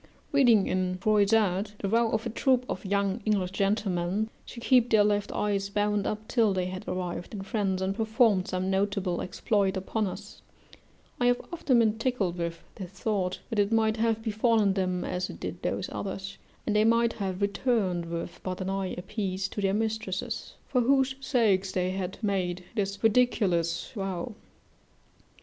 Reading in Froissart the vow of a troop of young English gentlemen, to keep their left eyes bound up till they had arrived in France and performed some notable exploit upon us, I have often been tickled with this thought, that it might have befallen them as it did those others, and they might have returned with but an eye a piece to their mistresses, for whose sakes they had made this ridiculous vow.